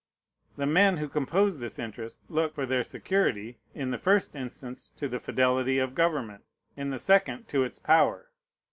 The men who compose this interest look for their security, in the first instance, to the fidelity of government; in the second, to its power.